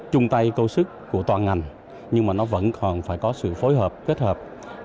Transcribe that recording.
trung tay cầu sức của toàn ngành nhưng mà nó vẫn còn phải có sự phối hợp kết hợp